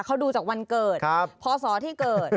เขาดูจากวันเกิดพศที่เกิด